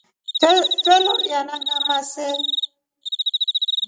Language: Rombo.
Twe loliyana ngamaa see?